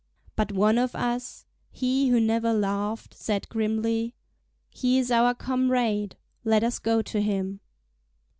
But one of us—he who never laughed—said grimly: "He is our comrade, let us go to him."